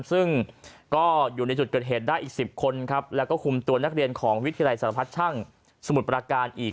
ซึ่งก็อยู่ในจุดเกิดเหตุได้อีก๑๐คนครับแล้วก็คุมตัวนักเรียนของวิทยาลัยสารพัดช่างสมุทรประการอีก